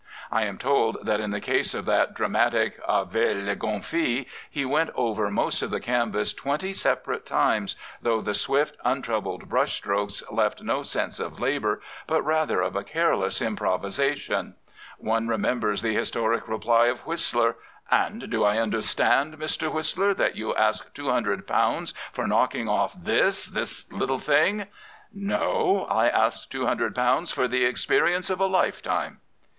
I am told that in the case of that dramatic A Vele Gonfie," he went over most of the canvas twenty separate times, though the swift, untroubled brush strokes left no sense of labour, but rather of a careless improvisation. One remembers the historic reply of Whistler, And do I understand, Mr. Whistler, that you ask £200 for knocking off this — this little thing?" "No, I ask £200 for the experience of a lifetime."